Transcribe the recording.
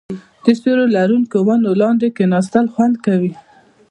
د سیوري لرونکو ونو لاندې کیناستل خوند کوي.